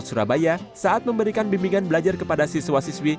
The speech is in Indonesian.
surabaya saat memberikan bimbingan belajar kepada siswa siswi